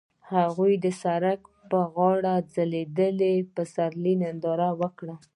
هغوی د سړک پر غاړه د ځلانده پسرلی ننداره وکړه.